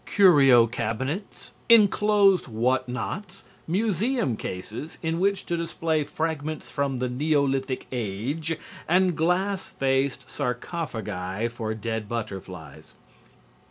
Curio cabinets, inclosed whatnots, museum cases in which to display fragments from the neolithic age, and glass faced sarcophagi for dead butterflies.